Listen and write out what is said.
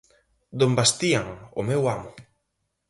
Don Bastían, o meu amo.